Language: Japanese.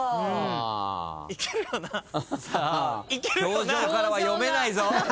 表情からは読めないぞ。